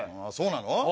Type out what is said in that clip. あそうなの？